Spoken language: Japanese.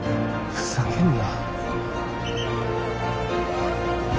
ふざけんな